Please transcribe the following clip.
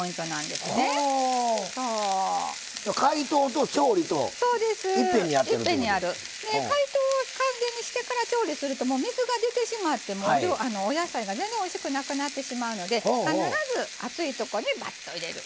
で解凍を完全にしてから調理すると水が出てしまってお野菜が全然おいしくなくなってしまうので必ず熱いとこにバッと入れる。